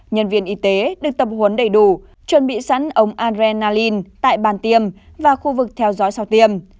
nhân viên y tế được tập huấn đầy đủ chuẩn bị sẵn ống anren nalin tại bàn tiêm và khu vực theo dõi sau tiêm